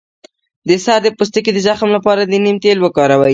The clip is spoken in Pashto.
د سر د پوستکي د زخم لپاره د نیم تېل وکاروئ